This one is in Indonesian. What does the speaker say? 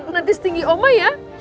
nanti setinggi oma ya